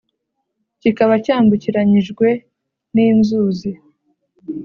kikaba cyambukiranyijwe n’inzuzi.